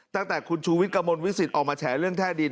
ตั้งแต่คุณชูวิทย์กระมวลวิสิต